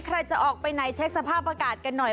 ใครจะออกไปไหนเช็คสภาพอากาศกันหน่อย